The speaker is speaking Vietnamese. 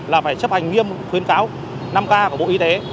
là phải chấp hành nghiêm khuyến cáo năm k của bộ y tế